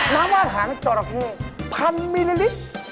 น้ำวาดหางจรกิ๑๐๐๐มิลลิตร